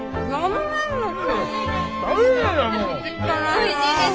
おいしいです。